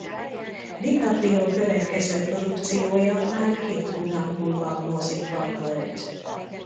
DiCaprio következő produkciója már két hónap múlva a mozikban volt.